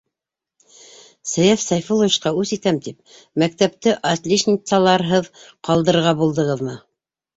Саяф Сәйфулловичҡа үс итәм тип, мәктәпте отлични- цаларһыҙ ҡалдырырға булдығыҙмы?